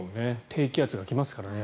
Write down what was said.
低気圧が来ますからね。